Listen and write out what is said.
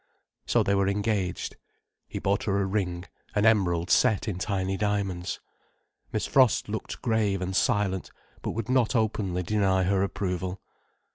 So they were engaged. He bought her a ring, an emerald set in tiny diamonds. Miss Frost looked grave and silent, but would not openly deny her approval.